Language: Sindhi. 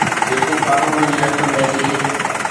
جيڪو قانون جي هٿ ۾ اچي